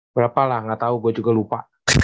berapa lah gak tau gue juga lupa